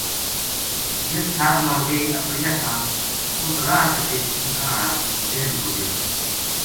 جس ٹھار ما ویہ اَپڑیا تھا اُت راہ کے بِچ اونٹھاں ہاڑا کی بہن کو ڈیرو تھو